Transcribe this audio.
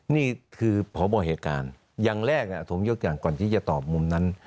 นี่คือพบเหตุการณ์อย่างแรกผมยกอย่างก่อนที่จะตอบมุมนั้น